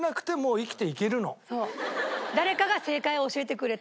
誰かが正解を教えてくれて。